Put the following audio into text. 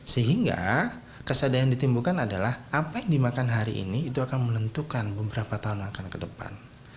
sehingga kesadaran ditimbulkan adalah apa yang dimakan hari ini itu akan menentukan beberapa tahun akan ke depan